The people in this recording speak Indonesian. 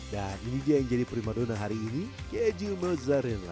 dan ini dia yang jadi prima donna hari ini keju mozzarella